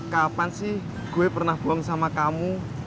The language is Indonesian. kapan sih gue pernah buang sama kamu